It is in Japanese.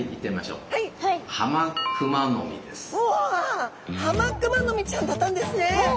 うわあハマクマノミちゃんだったんですね。